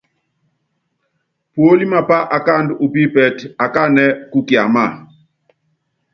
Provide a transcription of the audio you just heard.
Púólíe mapá akáandú u pípɛ́tɛ́, akáánɛ́ kú kiámáa.